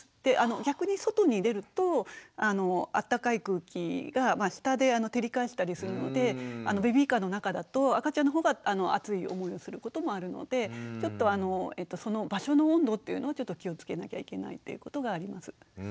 逆に外に出るとあったかい空気が下で照り返したりするのでベビーカーの中だと赤ちゃんの方が暑い思いをすることもあるのでちょっとその場所の温度っていうのを気をつけなきゃいけないっていうことがあります。